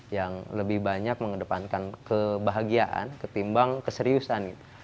yang lebih banyak mengedepankan kebahagiaan ketimbang keseriusan